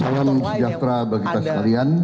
salam sejahtera bagi kita sekalian